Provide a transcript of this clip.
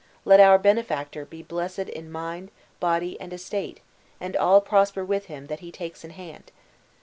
Let our benefactor be blessed in mind, body, and estate, and all prosper with him that he takes in hand!